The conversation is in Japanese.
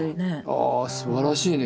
ああすばらしいね